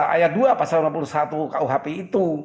ayat dua pasal lima puluh satu kuhp itu